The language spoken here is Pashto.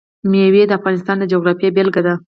مېوې د افغانستان د جغرافیې بېلګه ده.